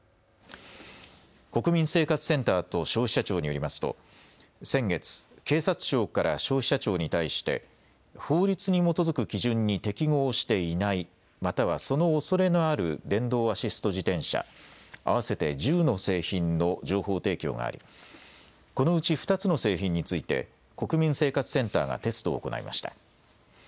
国民生活センターと消費者庁によりますと先月、警察庁から消費者庁に対して法律に基づく基準に適合していない、またはそのおそれのある電動アシスト自転車合わせて１０の製品の情報提供がありこのうち２つの製品について国民生活センターがテストを行いました。